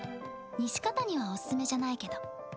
西片にはおすすめじゃないけど。